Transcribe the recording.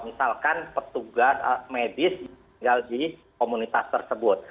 misalkan petugas medis tinggal di komunitas tersebut